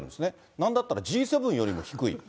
なんだったらＧ７よりも低い。